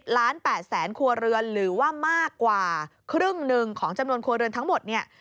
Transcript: ล้าน๘แสนครัวเรือนหรือว่ามากกว่าครึ่งหนึ่งของจำนวนครัวเรือนทั้งหมดเนี่ย